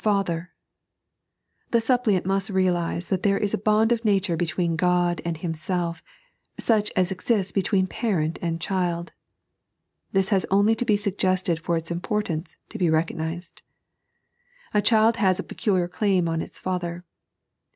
"OuB Fathkb." The suppliajit must recognise that there is a bond of nature between God and hi m self, such as exists between parent and child. This has only to be suggested for its importance to be recognised. A child has a peculiar claim on its father.